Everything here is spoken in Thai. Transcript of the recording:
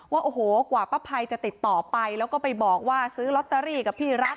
ว่าโอ้โหกว่าป้าภัยจะติดต่อไปแล้วก็ไปบอกว่าซื้อลอตเตอรี่กับพี่รัก